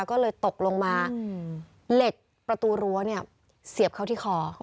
ก็เลยตกลงมาเหล็กประตูรั้วเนี่ยเสียบเข้าที่คอ